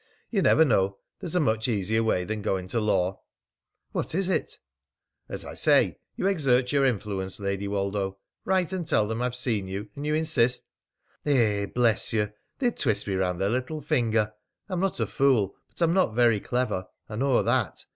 ... You never know. There's a much easier way than going to law." "What is it?" "As I say, you exert your influence, Lady Woldo. Write and tell them I've seen you and you insist " "Eh! Bless you! They'd twist me round their little finger. I'm not a fool, but I'm not very clever; I know that.